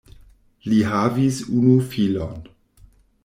Li havis unu filon.